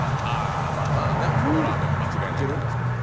このラーメンは間違いないな。